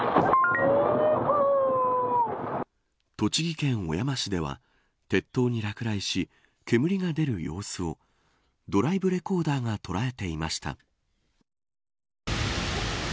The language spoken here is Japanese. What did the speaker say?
栃木県小山市では鉄塔に落雷し、煙が出る様子をドライブレコーダーが捉えていました。